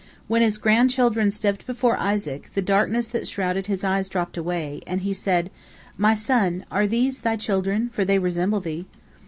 When his grandchildren stepped before Isaac, the darkness that shrouded his eyes dropped away, and he said, "My son, are these thy children, for they resemble thee?"